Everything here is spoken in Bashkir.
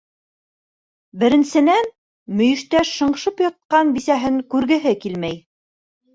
Беренсенән, мөйөштә шыңшып ятҡан бисәһен күргеһе килмәй.